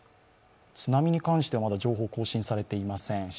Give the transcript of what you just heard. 津波に関してはまだ情報更新されていません。